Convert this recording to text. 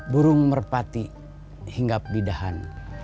burung merpati hingga pedahan